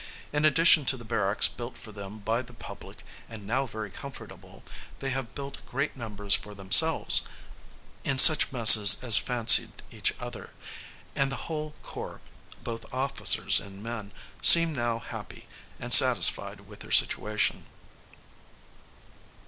In addition to the barracks built for them by the public, and now very comfortable, they have built great numbers for themselves, in such messes as fancied each other: and the whole corps, both officers and men, seem now, happy and satisfied with their situation.